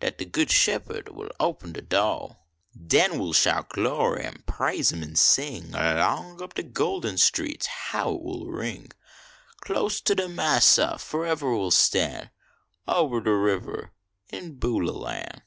Dat de good shepherd will open de do . Den we ll shout glory an praise im an sing Long up de golden streets, how it will ring ; Close to de Massa fo evah we ll stan , Ober de ribber in Beulah Lan